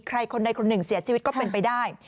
ใครคนใดคนหนึ่งเสียชีวิตก็เป็นไปได้